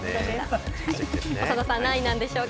長田さんは何位なんでしょうか？